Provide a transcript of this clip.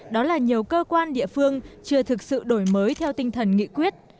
đó là nhiều cơ quan địa phương chưa thực sự đổi mới theo tinh thần nghị quyết